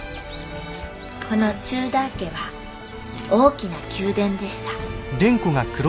このチューダー家は大きな宮殿でした」。